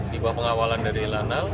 di bawah pengawalan dari lanal